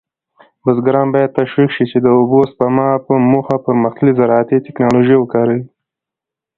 بزګران باید تشویق شي چې د اوبو سپما په موخه پرمختللې زراعتي تکنالوژي وکاروي.